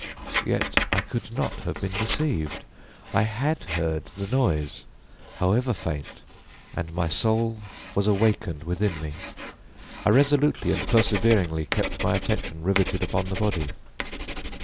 Yet I could not have been deceived. I had heard the noise, however faint, and my soul was awakened within me. I resolutely and perseveringly kept my attention riveted upon the body.